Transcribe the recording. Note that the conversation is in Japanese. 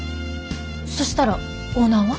そしたらオーナーは？